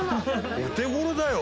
お手頃だよ。